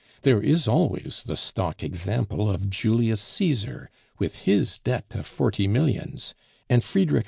There is always the stock example of Julius Caesar with his debt of forty millions, and Friedrich II.